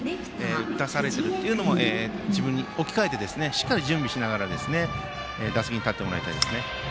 打たされているというのも自分に置き換えてしっかり準備しながら打席に立ってもらいたいですね。